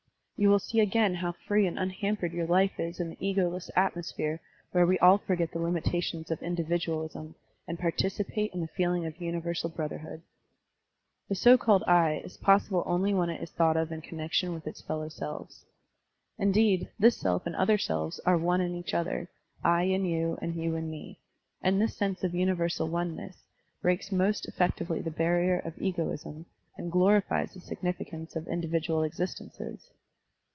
You will see again how free and unhampered your life is in the ego less atmosphere where we all forget the limitations of individualism and participate in the feeling of universal brotherhood." The so called "I" is possible only when it is thought of in connection Digitized by Google ASSERTIONS AND DENIALS 4$ with its fellow ^lves. Indeed, this self and other selves are ope in each other, I in you and you in me; and f^his sense of universal oneness breaks most effectually the barrier of egoism and glorifies the signiftqince of individual existences.